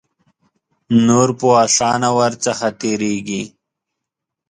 نور په آسانه ور څخه تیریږي.